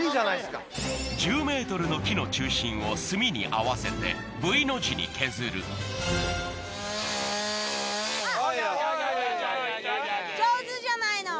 １０ｍの木の中心をすみに合わせてＶの字に削るえーい！